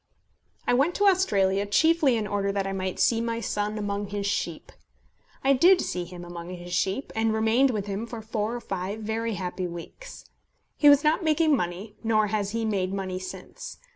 I went to Australia chiefly in order that I might see my son among his sheep. I did see him among his sheep, and remained with him for four or five very happy weeks. He was not making money, nor has he made money since.